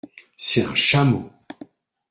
C’est un chameau !…